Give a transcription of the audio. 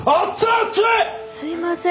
すいません。